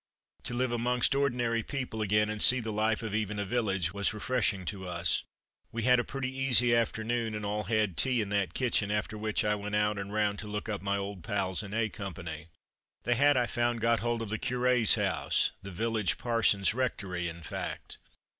To live amongst ordinary people again, and see the life of even a village, was refreshing to us. We had a pretty easy afternoon, and all had tea in that kitchen, after which I went out and round to look up my old pals in A company. They had, I found, got hold of the Curé's house, the village parson's rectory, in fact.